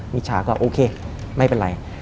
มิจฉาก็โอเคไม่เป็นไร